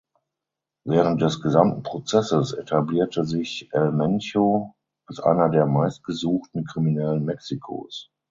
Während des gesamten Prozesses etablierte sich El Mencho als einer der meistgesuchten Kriminellen Mexikos.